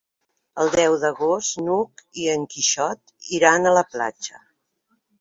El deu d'agost n'Hug i en Quixot iran a la platja.